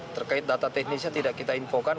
terkait data teknisnya tidak kita infokan